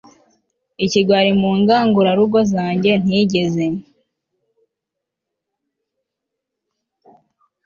ikigwari mu ngangurarugo zanjye nigeze